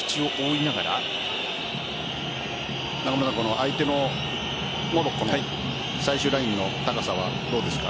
相手のモロッコの最終ラインの高さはどうですか。